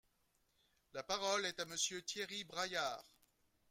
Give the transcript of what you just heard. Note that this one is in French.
La parole est à Monsieur Thierry Braillard.